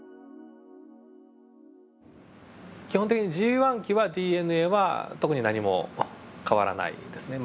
基本的にＧ期はＤＮＡは特に何も変わらないですね。